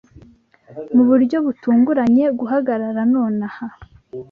Mu buryo butunguranye guhagarara nonaha